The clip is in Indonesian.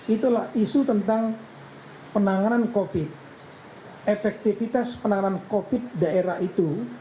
itulah isu tentang penanganan covid efektivitas penanganan covid daerah itu